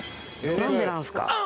なんでなんすか？